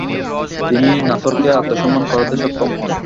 তিনি নাসরকে আত্মসমর্পণ করাতে সক্ষম হন।